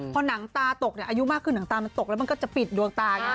พอหนังตาตกอายุมากขึ้นหนังตามันตกแล้วมันก็จะปิดดวงตาไง